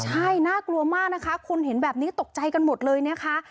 ใช่น่ากลัวมากนะคะคนเห็นแบบนี้ตกใจกันหมดเลยนะคะ